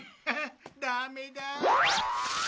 ダメだあ。